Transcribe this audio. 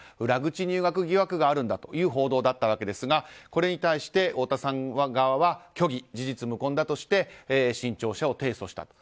裏口入学疑惑があるんだという報道だったわけですがこれに対して太田さん側は虚偽、事実無根だとして新潮社を提訴した。